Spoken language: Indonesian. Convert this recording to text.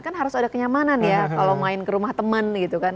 kan harus ada kenyamanan ya kalau main ke rumah teman gitu kan